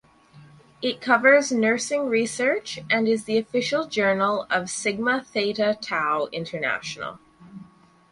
It covers nursing research and is the official journal of Sigma Theta Tau International.